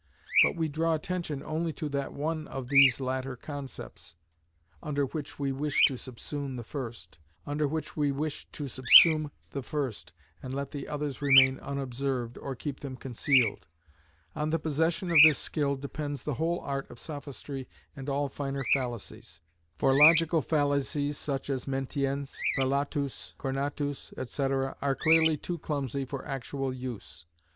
But we draw attention only to that one of these latter concepts, under which we wish to subsume the first, and let the others remain unobserved, or keep them concealed. On the possession of this skill depends the whole art of sophistry and all finer fallacies; for logical fallacies such as mentiens, velatus, cornatus, &c., are clearly too clumsy for actual use.